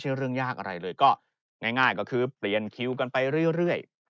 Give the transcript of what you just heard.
เรื่องยากอะไรเลยก็ง่ายก็คือเปลี่ยนคิวกันไปเรื่อย